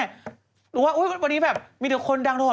ก็เต็มคุณแม่วันนี้แบบมีเดี๋ยวคนดังโทรศัพท์